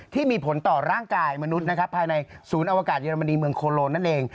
ที่มีผลต่อร่างกายมนุษย์นะครับภายในศูนย์อวกาศเยอรมนีเมืองโคโลนั่นเอง